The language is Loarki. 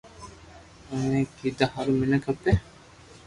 اوني ڪيدا ھارون مينک کپي